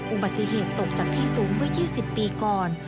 อุบัติเหตุตกจากที่สูงเมื่อ๒๐ปีก่อน